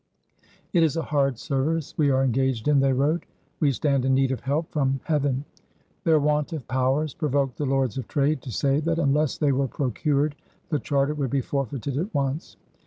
"It is a hard service we are engaged in," they wrote; "we stand in need of help from Heaven." Their want of powers provoked the Lords of Trade to say that unless they were procured, the charter would be forfeited at once.